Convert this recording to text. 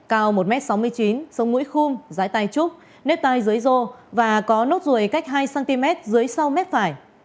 cao một m sáu mươi chín sống ngũi khung giái tai trúc nếp tai dưới rô và có nốt rùi cách hai cm dưới sau mết phải